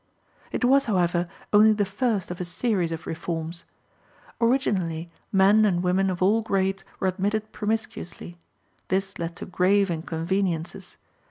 It was, however, only the first of a series of reforms. Originally, men and women of all grades were admitted promiscuously. This led to grave inconveniences.